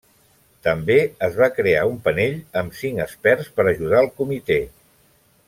També es va crear un panell amb cinc experts per ajudar al comitè.